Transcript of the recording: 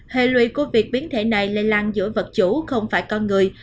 hệ lụy của việc biến thể này lây lan giữa vật chủ không phải con người